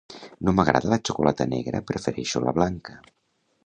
No m'agrada la xocolata negra prefereixo la blanca